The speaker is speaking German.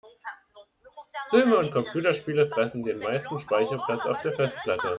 Filme und Computerspiele fressen den meisten Speicherplatz auf der Festplatte.